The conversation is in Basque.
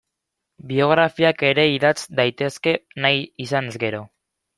Biografiak ere idatz daitezke nahi izanez gero.